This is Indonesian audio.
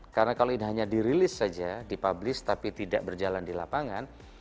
karena kalau ini hanya dirilis saja dipublis tapi tidak berjalan di lapangan